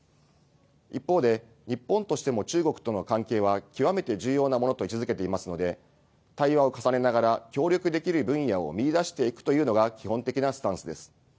一方で、日本としても中国との関係は極めて重要なものと位置づけていますので、対話を重ねながら、協力できる分野を見いだしていくというのが基本的なスタンスです。